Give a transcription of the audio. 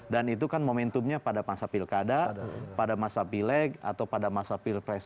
dan itu kan momentumnya pada masa pilkada pada masa pileg atau pada masa pilpres